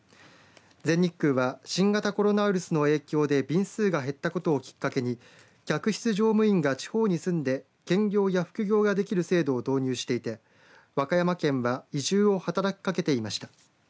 全日空は新型コロナウイルスの影響で便数が減ったことをきっかけに客室乗務員が地方に住んで兼業や副業ができる制度を導入していて和歌山県は移住を働きかけていました。